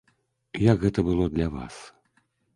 Як гэта было для вас?